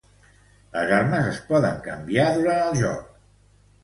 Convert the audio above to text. Les armes es poden canviar durant el joc.